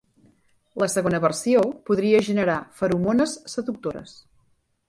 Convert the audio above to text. La segona versió podria generar feromones seductores.